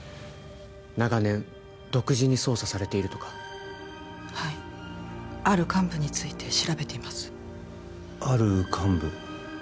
長年独自に捜査されているとかはいある幹部について調べていますある幹部？